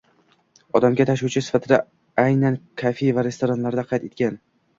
Odamga tashuvchi sifatida aynan kafe va restoranlarda qayd etgan.